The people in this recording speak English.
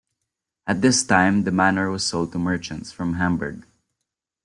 At this time the manor was sold to merchants from Hamburg.